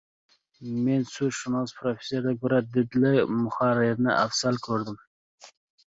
Men so‘zshunos professordan ko‘ra didli muharrirni afzal ko‘raman.